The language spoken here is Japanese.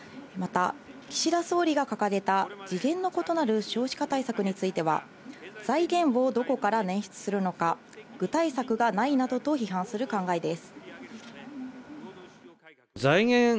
また、岸田総理が掲げた、次元の異なる少子化対策については、財源をどこから捻出するのか、具体策がないなどと批判する考えです。